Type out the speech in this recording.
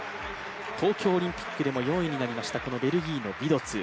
東京オリンピックでも４位になりましたベルギーのビドツ。